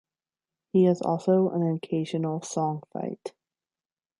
He is also an occasional Song Fight!